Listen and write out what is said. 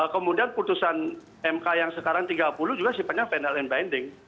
kemudian putusan mk yang sekarang tiga puluh juga sifatnya final and binding